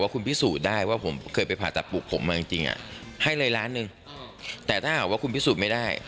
คุณพิสูจน์ได้ว่าผมก็เคยไปผ่าตัดปรุงผมแล้วจริงอ่ะให้เลยล้านหนึ่งแต่ก็คุณพิสูจน์ไม่ได้